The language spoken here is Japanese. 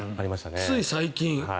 つい最近。